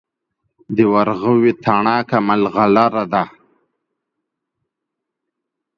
د ورغوي تڼاکه ملغلره ده.